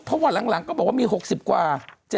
เพราะว่าหลังก็บอกว่ามี๖๐กว่า